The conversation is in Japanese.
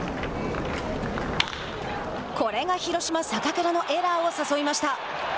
これが広島坂倉のエラーを誘いました。